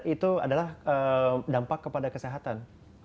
itu adalah dampak kepada kesehatan